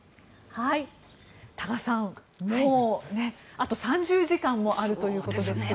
多賀さん、あと３０時間もあるということですけども。